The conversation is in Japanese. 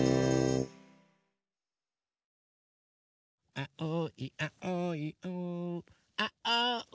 あおいあおいあおん？